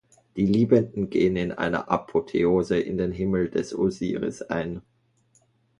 Die Liebenden gehen in einer Apotheose in den Himmel des Osiris ein.